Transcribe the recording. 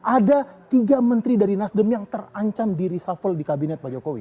ada tiga menteri dari nasdem yang terancam di reshuffle di kabinet pak jokowi